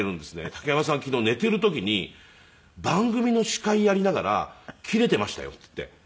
「竹山さん昨日寝ている時に番組の司会やりながらキレていましたよ」って言って。